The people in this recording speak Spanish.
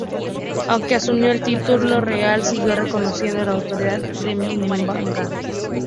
Aunque asumió el título real, siguió reconociendo la autoridad de Nemanja.